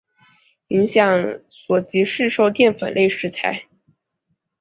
影响所及市售淀粉类食材。